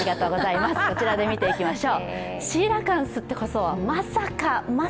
こちらで見ていきましょう。